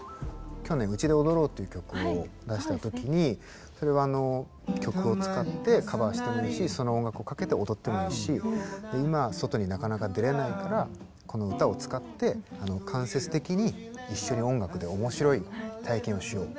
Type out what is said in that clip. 去年「うちで踊ろう」っていう曲を出した時にそれは曲を使ってカバーしてもいいしその音楽をかけて踊ってもいいし今外になかなか出れないからこの歌を使って間接的に一緒に音楽でおもしろい体験をしよう。